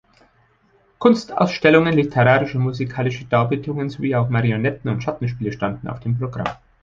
Kunstausstellungen, literarische und musikalische Darbietungen sowie auch Marionetten- und Schattenspiele standen auf dem Programm.